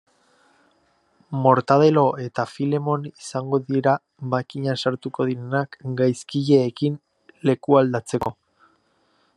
Mortadelo eta Filemon izango dira makinan sartuko direnak gaizkileekin lekualdatzeko.